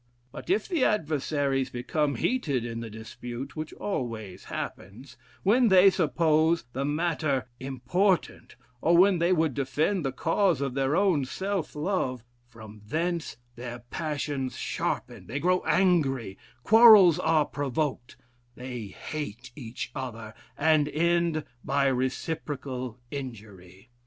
But if the adversaries become heated in the dispute, which always happens, when they suppose the matter important, or when they would defend the cause of their own self love, from thence their passions sharpen, they grow angry, quarrels are provoked, they hate each other, and end by reciprocal injury.